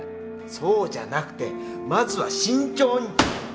そうじゃなくてまずは慎重に。